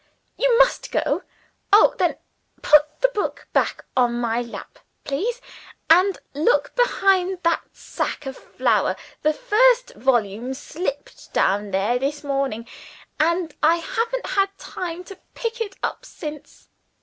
You must go! Oh, then, put the book back on my lap, please and look behind that sack of flour. The first volume slipped down there this morning, and I haven't had time to pick it up since.